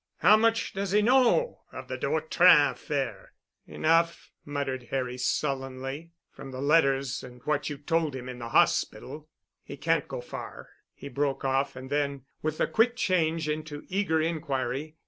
How much does he know of the de Vautrin affair?" "Enough," muttered Harry sullenly, "from the letters and what you told him in the hospital——" "He can't go far—" He broke off and then, with a quick change into eager inquiry.